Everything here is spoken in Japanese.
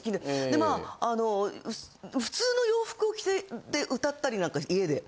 でまああの普通の洋服を着て歌ったりなんか家で。